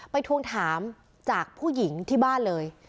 ทวงถามจากผู้หญิงที่บ้านเลย